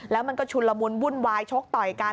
แล้วมันก็ชุนละมุนวุ่นวายชกต่อยกัน